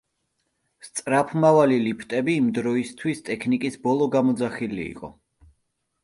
სწრაფმავალი ლიფტები იმდროისთვის ტექნიკის ბოლო გამოძახილი იყო.